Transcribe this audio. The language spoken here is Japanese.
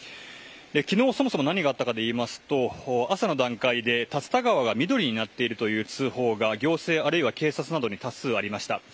昨日、そもそも何があったかといいますと朝の段階で竜田川が緑になっているという通報が行政あるいは警察などに多数ありました。